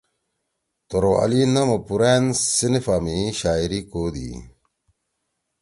توروالی نم او پُورأن صنفا می شاعری کودُو۔